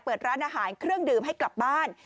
เปิดร้านอาหารเครื่องดื่มให้กลับบ้าน